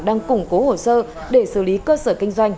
đang củng cố hồ sơ để xử lý cơ sở kinh doanh